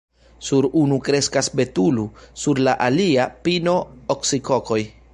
Sur unu kreskas betulo, sur la alia – pino, oksikokoj.